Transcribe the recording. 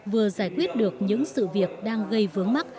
vừa giải quyết được những sự việc đang gây vướng mắt